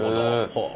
ほう。